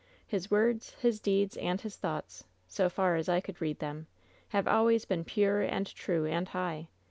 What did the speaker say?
His words, his deeds, and his thoughts — so far as I could read them — have always been pure, and true, and high.